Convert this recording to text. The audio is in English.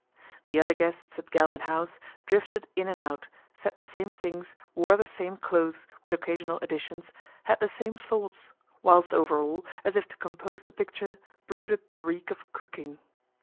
The other guests at Galvin House drifted in and out, said the same things, wore the same clothes, with occasional additions, had the same thoughts ; whilst over all, as if to compose the picture, brooded the reek of cooking.